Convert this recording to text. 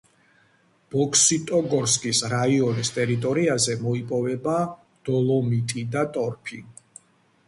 ბოქსიტოგორსკის რაიონის ტერიტორიაზე მოიპოვება დოლომიტი და ტორფი.